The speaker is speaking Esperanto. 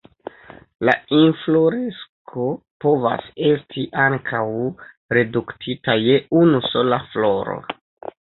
La infloresko povas esti ankaŭ reduktita je unu sola floro.